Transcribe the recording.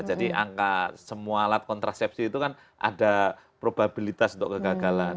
jadi angka semua alat kontrasepsi itu kan ada probabilitas untuk kegagalan